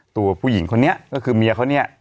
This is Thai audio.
ตัวผู้หญิงคนนี้ก็คือเมียเขาเนี่ย